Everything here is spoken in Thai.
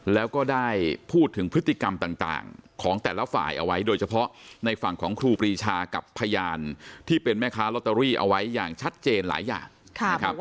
แล้วก็ได้พูดถึงพฤติกรรมต่างของแต่ละฝ่ายเอาไว้โดยเฉพาะในฝั่งของครูปรีชากับพยานที่เป็นแม่ค้าลอตเตอรี่เอาไว้อย่างชัดเจนหลายอย่างนะครับ